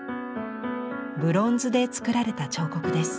ブロンズで作られた彫刻です。